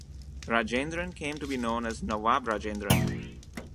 Rajendran came to be known as Nawab Rajendran.